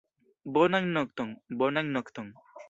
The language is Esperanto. Bonan nokton, bonan nokton.